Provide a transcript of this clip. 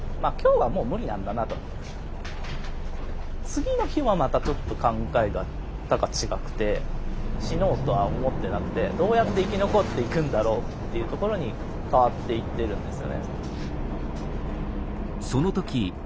次の日はまたちょっと考え方が違くて死のうとは思ってなくてどうやって生き残っていくんだろうっていうところに変わっていってるんですよね。